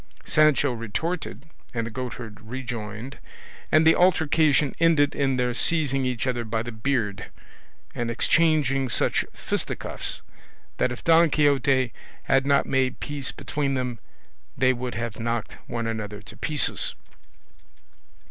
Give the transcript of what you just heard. Sancho retorted, and the goatherd rejoined, and the altercation ended in their seizing each other by the beard, and exchanging such fisticuffs that if Don Quixote had not made peace between them, they would have knocked one another to pieces.